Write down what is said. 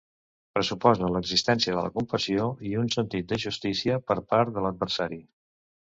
Pressuposa l'existència de la compassió i un sentit de justícia per part de l'adversari.